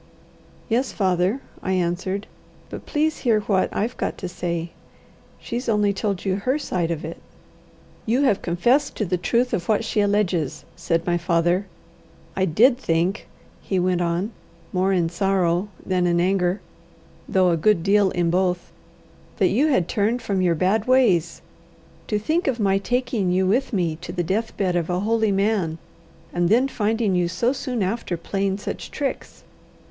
"Yes, father," I answered. "But please hear what I've got to say. She's only told you her side of it." "You have confessed to the truth of what she alleges," said my father. "I did think," he went on, more in sorrow than in anger, though a good deal in both, "that you had turned from your bad ways. To think of my taking you with me to the death bed of a holy man, and then finding you so soon after playing such tricks!